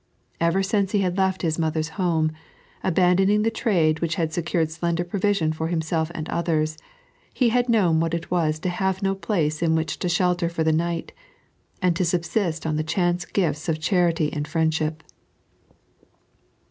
Ever since He had left His mother's home, abandoning the trade which had secured slender provision for Himself and others, He had known what it was to have no place in which to shelter for the night, and to subsist on the chance gifte of charity and Mendship.